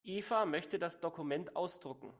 Eva möchte das Dokument ausdrucken.